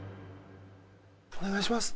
お願いします。